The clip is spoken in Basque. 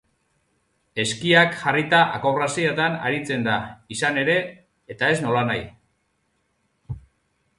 Eskiak jarrita akrobaziatan aritzen da, izan ere, eta ez nolanahi!